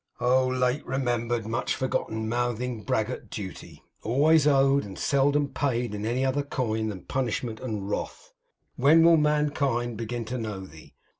Oh, late remembered, much forgotten, mouthing, braggart duty, always owed, and seldom paid in any other coin than punishment and wrath, when will mankind begin to know thee!